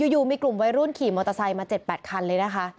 อยู่มีกลุ่มวัยรุ่นขี่มอเตอร์ไซค์มา๗๘คันเลยนะคะ